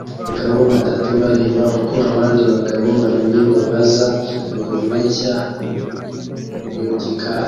Abagabo batatu bareba uko abandi bagabo babiri babaza ingurube nshya mu gikari